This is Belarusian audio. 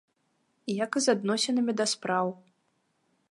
Як і з адносінамі да спраў.